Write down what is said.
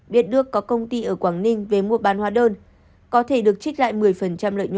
biết đức có công ty ở quảng ninh về mua bán hóa đơn có thể được trích lại một mươi lợi nhuận